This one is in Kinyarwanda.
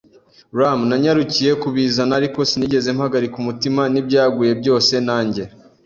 Rum! ” Nanyarukiye kubizana, ariko sinigeze mpagarika umutima nibyaguye byose, nanjye